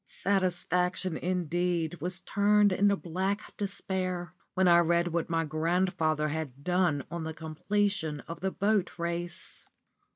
Satisfaction, indeed, was turned into black despair, when I read what my grandfather had done on the completion of the boat race.